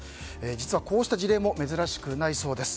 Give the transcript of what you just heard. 実は、こうした事例も珍しくないそうです。